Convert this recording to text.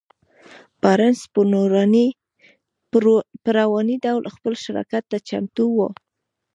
بارنس په رواني ډول خپل شراکت ته چمتو و.